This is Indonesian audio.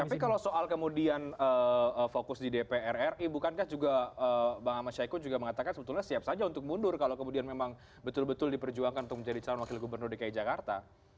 tapi kalau soal kemudian fokus di dpr ri bukankah juga bang ahmad syaiqo juga mengatakan sebetulnya siap saja untuk mundur kalau kemudian memang betul betul diperjuangkan untuk menjadi calon wakil gubernur dki jakarta